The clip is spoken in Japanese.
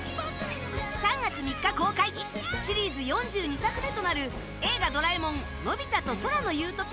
３月３日公開シリーズ４２作目となる「映画ドラえもんのび太と空の理想郷」